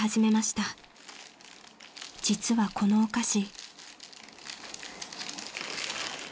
［実はこのお菓子］